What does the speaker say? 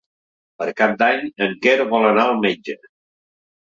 Per Cap d'Any en Quer vol anar al metge.